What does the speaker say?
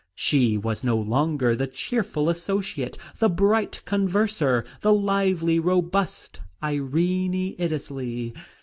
She was no longer the cheerful associate, the bright converser, the lively, robust Irene Iddesleigh.